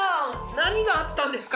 何があったんですか？